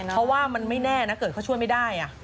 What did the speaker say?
เพราะว่ามันไม่แน่นะเกิดเขาช่วยไม่ได้